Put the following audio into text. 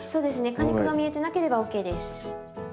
果肉が見えてなければＯＫです。